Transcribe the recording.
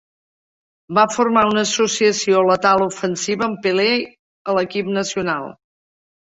Va formar una associació letal ofensiva amb Pelé a l'equip nacional.